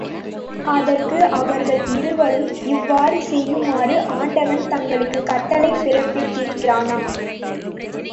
அதற்கு அவர்கள் இருவரும், இவ்வாறு செய்யுமாறு ஆண்டவன் தங்களுக்குக் கட்டளை பிறப்பித்திருக்கிறானா?